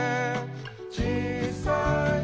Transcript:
「ちいさい？